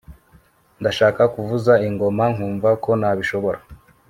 Ndashaka kuvuza ingoma nkumva ko nabishobora